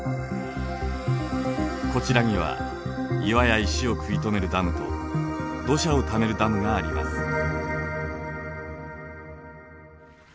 こちらには岩や石を食い止めるダムと土砂をためるダムがあります。